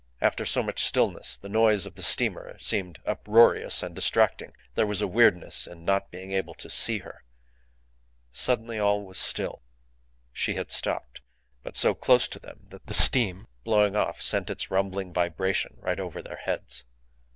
After so much stillness the noise of the steamer seemed uproarious and distracting. There was a weirdness in not being able to see her. Suddenly all was still. She had stopped, but so close to them that the steam, blowing off, sent its rumbling vibration right over their heads.